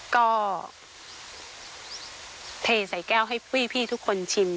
ก็เทใส่แก้วให้พี่ทุกคนชิม